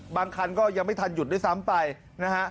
คันก็ยังไม่ทันหยุดด้วยซ้ำไปนะฮะ